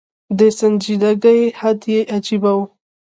د سنجیدګۍ حد یې عجېبه و.